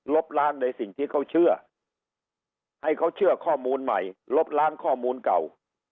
ล้างในสิ่งที่เขาเชื่อให้เขาเชื่อข้อมูลใหม่ลบล้างข้อมูลเก่า